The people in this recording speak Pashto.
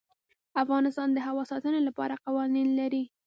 افغانستان د هوا د ساتنې لپاره قوانین لري.